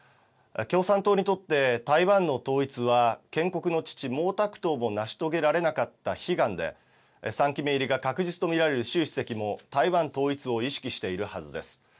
共産党にとって、台湾の統一は建国の父、毛沢東も成し遂げられなかった悲願で、３期目入りが確実と見られる習主席も、台湾統一を意識しているはずです。